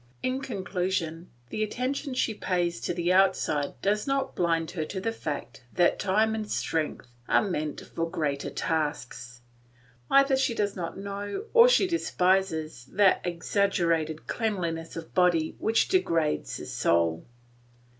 In conclusion, the attention she pays to the outside does not blind her to the fact that time and strength are meant for greater tasks; either she does not know or she despises that exaggerated cleanliness of body which degrades the soul.